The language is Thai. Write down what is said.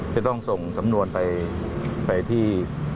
จะต้องส่งสำนวนไปที่